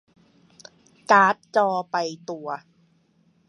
การ์ดจอไปตัว